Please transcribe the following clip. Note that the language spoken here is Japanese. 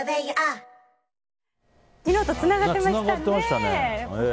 昨日とつながってましたね。